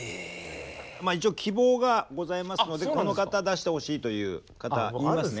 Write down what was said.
一応希望がございますのでこの方出してほしいという方言いますね。